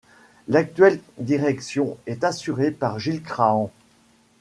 L'actuelle direction est assurée par Gilles Kraan.